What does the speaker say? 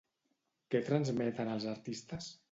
Què transmeten els artistes?